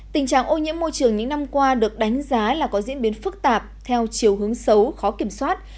tình trạng ô nhiễm môi trường những năm qua được đánh giá là có diễn biến phức tạp theo chiều hướng xấu khó kiểm soát